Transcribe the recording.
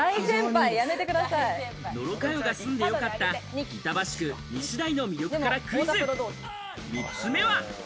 野呂佳代が住んでよかった板橋区西台の魅力からクイズ、３つ目は。